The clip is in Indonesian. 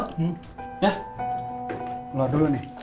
keluar dulu nih